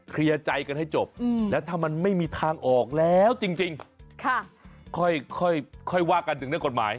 เคลียร์ใจกันให้จบแล้วถ้ามันไม่มีทางออกแล้วจริงค่อยว่ากันถึงเรื่องกฎหมาย